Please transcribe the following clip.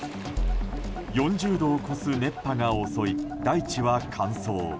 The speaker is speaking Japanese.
４０度を超す熱波が襲い大地は乾燥。